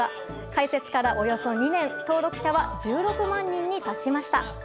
開設からおよそ２年登録者は１６万人に達しました。